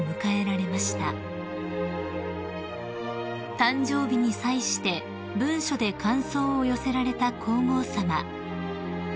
［誕生日に際して文書で感想を寄せられた皇后さま］